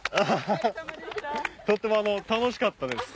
とっても楽しかったです。